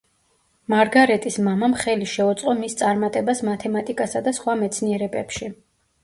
მარგარეტის მამამ ხელი შეუწყო მის წარმატებას მათემატიკასა და სხვა მეცნიერებებში.